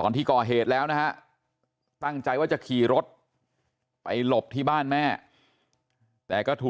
ตอนที่ก่อเหตุแล้วนะฮะตั้งใจว่าจะขี่รถไปหลบที่บ้านแม่แต่ก็ถูก